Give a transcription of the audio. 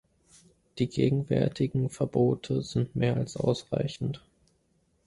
Die gegenwärtigen Verbote sind mehr als ausreichend.